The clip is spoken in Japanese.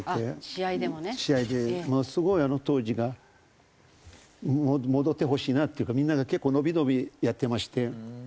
ものすごいあの当時が戻ってほしいなというかみんなが結構のびのびやってまして。